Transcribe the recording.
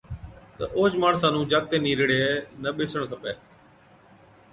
تہ اوهچ ماڻسا نُون جاکتي نِيرڙَي نہ ٻيسڻ کپَي۔